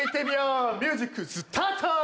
ミュージックスタート。